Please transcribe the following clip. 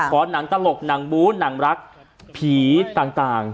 หนังตลกหนังบู้หนังรักผีต่าง